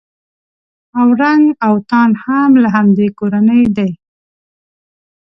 اورنګ اوتان هم له همدې کورنۍ دي.